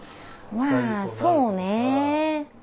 まぁそうね。